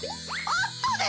あったで！